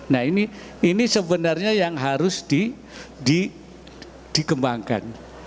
nah ini sebenarnya yang harus dikembangkan